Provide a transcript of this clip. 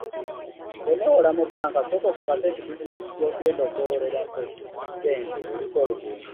Ng’oneewola mu Banka sooka okakase nti bizinensi gy’ogenda okwewolerako ssente eriko olugendo.